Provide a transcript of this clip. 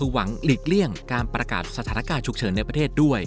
หวังหลีกเลี่ยงการประกาศสถานการณ์ฉุกเฉินในประเทศด้วย